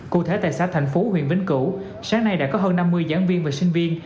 cụ thể tại xã thành phú huyện vĩnh cửu sáng nay đã có hơn năm mươi giảng viên và sinh viên